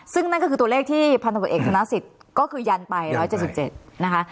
ซึ่งนั่นก็คือตัวเลขที่พันธุบัติเอกทางนักศิษย์ก็คือยันไป๑๗๗นะคะ